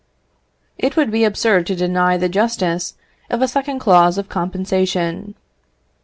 It would be absurd to deny the justice of a second clause of compensation.